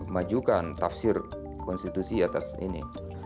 majukan tafsir konstitusi atas ini